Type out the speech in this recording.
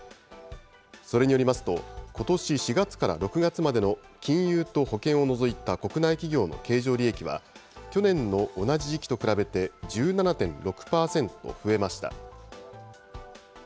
それによりますと、ことし４月から６月までの金融と保険を除いた国内企業の経常利益は、去年の同じ時期と比べて１７．６％増えました。